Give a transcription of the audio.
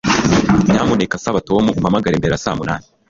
Nyamuneka saba Tom umpamagare mbere ya saa munani